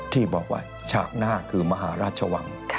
ที่บอกว่าฉากหน้าคือมหาราชวัง